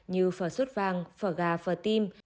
như phở suốt vàng phở gà phở tim